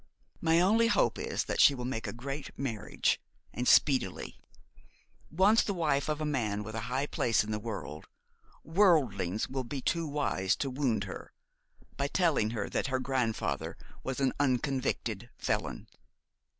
My only hope is that she will make a great marriage, and speedily. Once the wife of a man with a high place in the world, worldlings will be too wise to wound her by telling her that her grandfather was an unconvicted felon.'